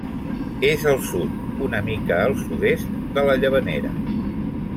És al sud, una mica al sud-est, de la Llavanera.